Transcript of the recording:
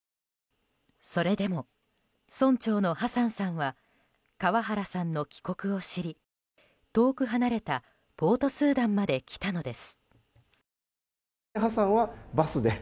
それでも村長のハサンさんは川原さんの帰国を知り遠く離れたポートスーダンまで来たのです。